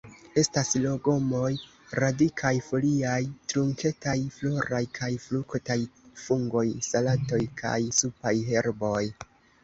Estas legomoj: radikaj, foliaj, trunketaj, floraj kaj fruktaj; fungoj, salatoj kaj supaj herboj.